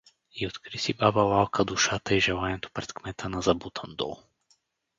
И откри си баба Лалка душата и желанието пред кмета на Забутан дол.